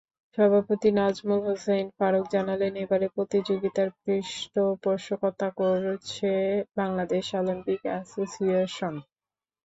সভাপতি নাজমুল হোসাইন ফারুক জানালেন, এবারের প্রতিযোগিতার পৃষ্ঠপোষকতা করছে বাংলাদেশ অলিম্পিক অ্যাসোসিয়েশন।